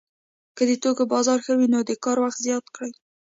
که د توکو بازار ښه وي نو د کار وخت زیات کړي